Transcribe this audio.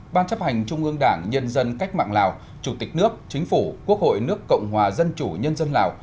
ban chấp hành trung ương đảng nhân dân cách mạng lào chủ tịch nước chính phủ quốc hội nước cộng hòa dân chủ nhân dân lào